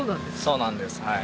そうなんですはい。